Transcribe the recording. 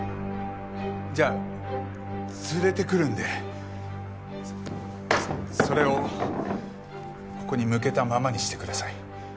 じゃあ連れてくるのでそれをここに向けたままにしてください。